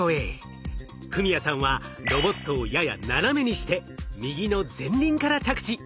史哉さんはロボットをやや斜めにして右の前輪から着地。